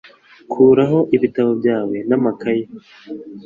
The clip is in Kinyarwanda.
Kuraho ibitabo byawe n'amakaye.